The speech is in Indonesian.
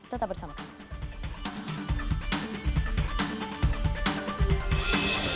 tetap bersama kami